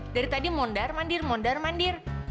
dari tadi mondar mandir mondar mandir